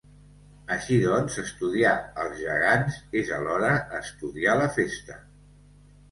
Així doncs estudiar els Gegants és alhora estudiar la Festa.